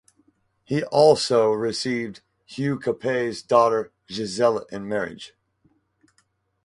He also received Hugh Capet's daughter, Gisela, in marriage.